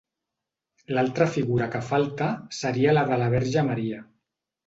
L'altra figura que falta seria la de la Verge Maria.